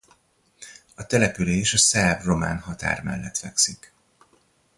A település a szerb-román határ mellett fekszik.